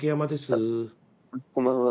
こんばんは。